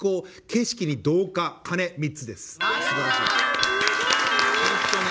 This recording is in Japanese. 景色に同化、鐘３つです。